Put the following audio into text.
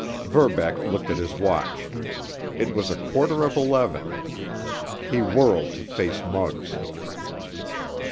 Verbeck looked at his watch; it was a quarter of eleven. He whirled to face Muggs.